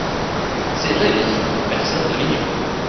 C’est vrai, bien sûr : personne ne l’ignore.